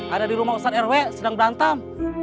ada di rumah ustadz rw sedang berantem